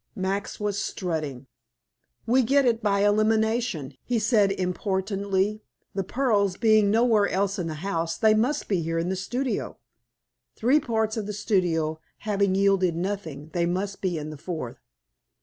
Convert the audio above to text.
Max was strutting. "We get it by elimination," he said importantly. "The pearls being nowhere else in the house, they must be here in the studio. Three parts of the studio having yielded nothing, they must be in the fourth.